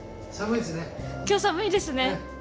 今日、寒いですね。